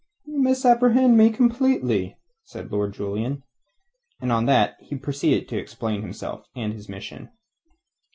"You misapprehend me completely," said Lord Julian. And on that he proceeded to explain himself and his mission.